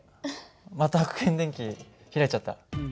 またはく検電器開いちゃった。